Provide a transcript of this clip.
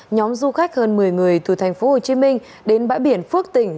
nhóm du khách hơn một mươi người từ tp hcm đến bãi biển phước tỉnh